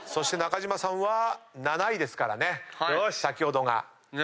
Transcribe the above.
中島さんは７位ですからね先ほどが。